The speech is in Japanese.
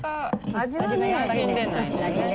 味はね。